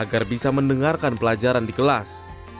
agar bisa mendengarkan pelajaran di kelas